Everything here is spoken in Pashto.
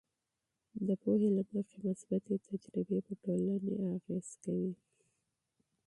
د پوهې له مخې، مثبتې تجربې پر ټولنې اغیز کوي.